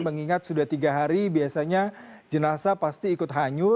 mengingat sudah tiga hari biasanya jenazah pasti ikut hanyut